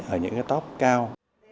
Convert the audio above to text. ở những cái top cao